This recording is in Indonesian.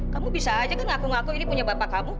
kamu bisa aja kan ngaku ngaku ini punya bapak kamu